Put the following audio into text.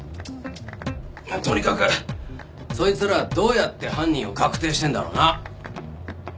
とにかくそいつらどうやって犯人を確定してんだろうな。